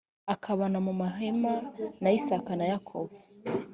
akabana mu mahema na isaka na yakobo